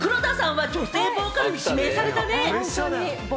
黒田さんは女性ボーカルに指名されたね。